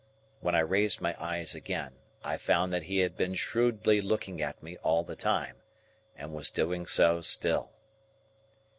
When I raised my eyes again, I found that he had been shrewdly looking at me all the time, and was doing so still.